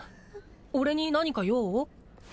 俺に何か用？